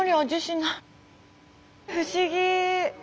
不思議！